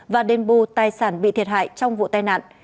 và đền bù tài sản bị thiệt hại trong vụ tai nạn